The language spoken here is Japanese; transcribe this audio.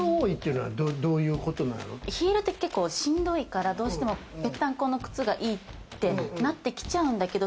ヒールって結構しんどいから、どうしても、ぺったんこの靴がいいってなってきちゃうんだけど。